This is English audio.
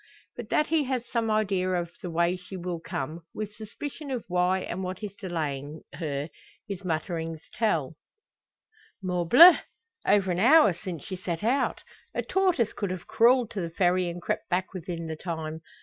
But that he has some idea of the way she will come, with suspicion of why and what is delaying her, his mutterings tell: "Morbleu! over an hour since she set out! A tortoise could have crawled to the Ferry, and crept back within the time!